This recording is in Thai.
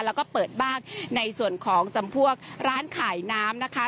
แล้วก็เปิดบ้างในส่วนของจำพวกร้านขายน้ำนะคะ